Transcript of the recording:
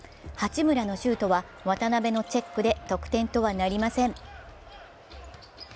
八村のシュートは渡邊のチェックで得点とはなりません。